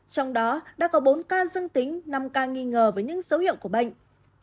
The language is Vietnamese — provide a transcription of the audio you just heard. trong đó đã có bốn ca dương tính năm ca nghi ngờ và những dấu hiệu của bệnh